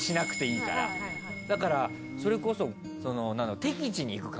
だからそれこそ。